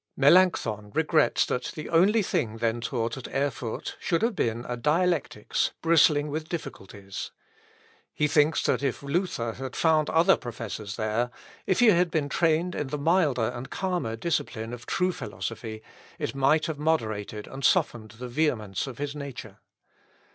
Melancthon regrets that the only thing then taught at Erfurt should have been a dialectics bristling with difficulties. He thinks that if Luther had found other professors there, if he had been trained in the milder and calmer discipline of true philosophy, it might have moderated and softened the vehemence of his nature.